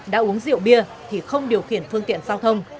đã uống rượu bia thì không điều khiển phương tiện giao thông